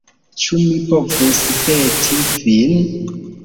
Ĉu mi povus peti vin?